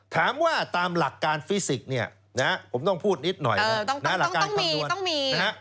ถามว่าตามหลักการฟิสิกส์เนี่ยนะฮะผมต้องพูดนิดหน่อยหลักการคำนวณ